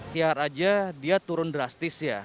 tiada harga dia turun drastis ya